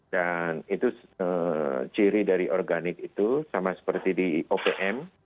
dan itu ciri dari organik itu sama seperti di opm